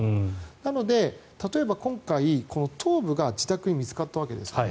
なので例えば今回、頭部が自宅で見つかったわけですよね。